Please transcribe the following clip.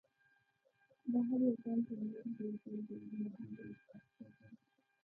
دا هر یو ځانته نور بېل بېل ډولونه هم لري په پښتو ژبه.